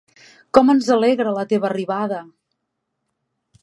Com ens alegra la teva arribada!